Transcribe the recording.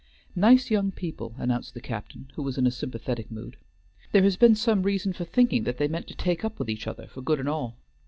"Nice young people," announced the captain, who was in a sympathetic mood. "There has been some reason for thinking that they meant to take up with each other for good and all.